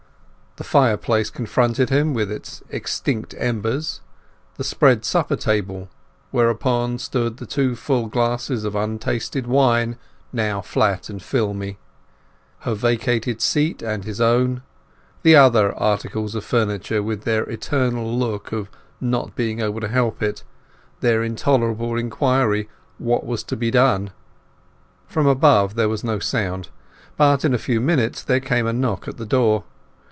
The fireplace confronted him with its extinct embers; the spread supper table, whereon stood the two full glasses of untasted wine, now flat and filmy; her vacated seat and his own; the other articles of furniture, with their eternal look of not being able to help it, their intolerable inquiry what was to be done? From above there was no sound; but in a few minutes there came a knock at the door.